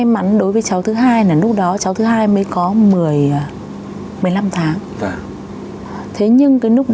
bạn bè học cùng